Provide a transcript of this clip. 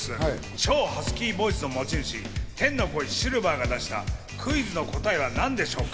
超ハスキーボイスの持ち主、天の声シルバーが出したクイズの答えは何でしょうか。